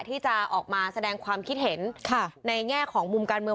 ที่จะออกมาแสดงความคิดเห็นในแง่ของมุมการเมือง